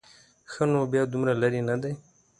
ښه نو بیا دومره لرې نه دی.